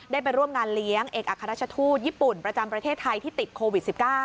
ไปร่วมงานเลี้ยงเอกอัครราชทูตญี่ปุ่นประจำประเทศไทยที่ติดโควิด๑๙